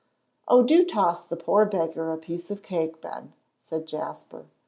"Oh, do toss the poor beggar a piece of cake, Ben," said Jasper.